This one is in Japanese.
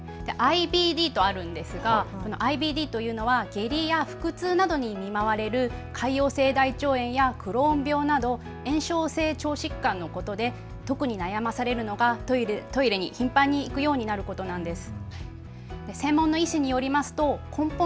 ＩＢＤとあるんですがＩＢＤというのは下痢や腹痛などに見舞われる潰瘍性大腸炎やクローン病など炎症性腸疾患のことで特に悩まされるのがトイレに頻繁に行くようになることなんです。